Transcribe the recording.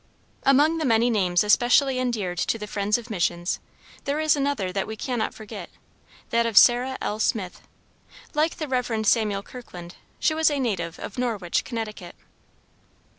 Among the many names especially endeared to the friends of missions, there is another that we cannot forget that of Sarah L. Smith. Like the Rev. Samuel Kirkland, she was a native of Norwich, Connecticut.